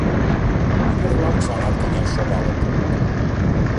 Ӱдыр-влак чыланат кынел шогалыт.